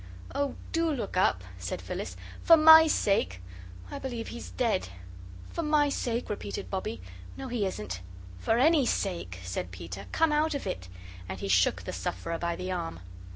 "Oh, DO look up," said Phyllis. "For MY sake! I believe he's dead." "For MY sake," repeated Bobbie. "No, he isn't." "For ANY sake," said Peter; "come out of it." And he shook the sufferer by the arm.